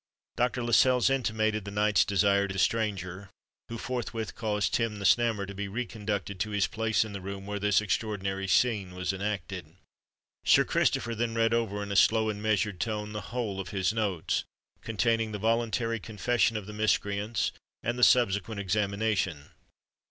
Dr. Lascelles intimated the knight's desire to the stranger, who forthwith caused Tim the Snammer to be reconducted to his place in the room where this extraordinary scene was enacted. Sir Christopher then read over, in a slow and measured tone, the whole of his notes—containing the voluntary confession of the miscreants, and the subsequent examination.